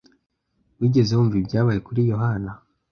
Wigeze wumva ibyabaye kuri Yohana?